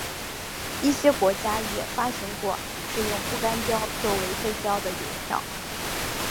一些国家也发行过使用不干胶作为背胶的邮票。